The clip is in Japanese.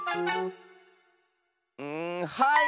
うんはい！